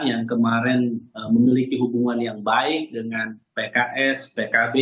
yang kemarin memiliki hubungan yang baik dengan pks pkb